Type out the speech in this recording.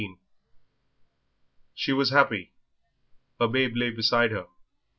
XVII She was happy, her babe lay beside her.